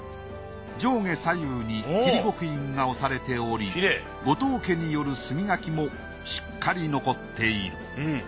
上下左右に桐極印が押されており後藤家による墨書きもしっかり残っている。